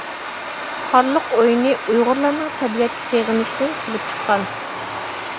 «قارلىق ئويۇنى» ئۇيغۇرلارنىڭ تەبىئەتكە سېغىنىشىدىن كېلىپ چىققان.